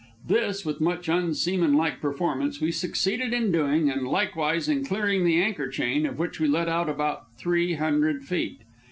This, with much unseamanlike performance, we succeeded in doing, and likewise in clearing the anchor chain, of which we let out about three hundred feet.